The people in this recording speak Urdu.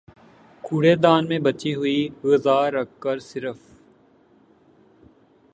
کوڑے دان میں بچی ہوئی غذا رکھ کر صرف